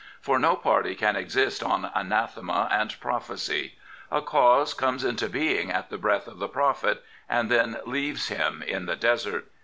For no party can exist on anathema and prophecy. A cause comes into being at the breath of the prophet, and then leaves him in the desert.